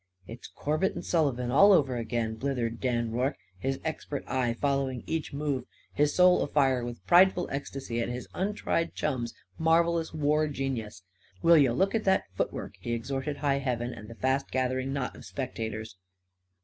"It's it's Corbett and Sullivan, all over again!" blithered Dan Rorke, his expert eye following each move, his soul afire with prideful ecstasy at his untried chum's marvellous war genius. "Will you look at that footwork!" he exhorted high heaven and the fast gathering knot of spectators.